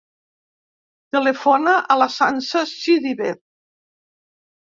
Telefona a la Sança Sidibe.